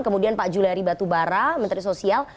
kemudian pak juliari batubara menteri sosial